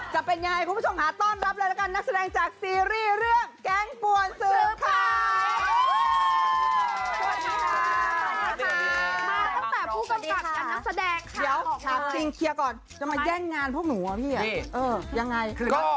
จะเป็นยังไงคุณผู้ชมขาต้อนรับเลยละกันนักแสดงจากซีรีส์เรื่อง